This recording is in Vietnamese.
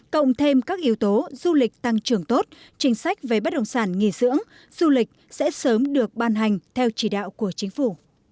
cộng thêm các yếu tố du lịch tăng trưởng tốt chính sách về bất động sản nghỉ dưỡng du lịch sẽ sớm được ban hành theo chỉ đạo của chính phủ